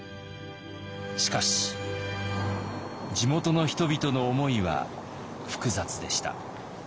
しかし地元の人々の思いは複雑でした。